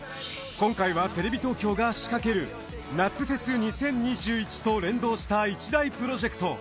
今回はテレビ東京が仕掛ける夏フェス２０２１と連動した一大プロジェクト。